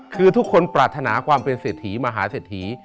คือทุกคนปรารถนาความเป็นเศรษฐีมหาเศรษฐี